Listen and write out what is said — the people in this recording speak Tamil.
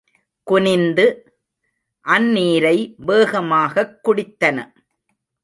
குனிந்து, அந்நீரை வேகமாகக் குடித்தன.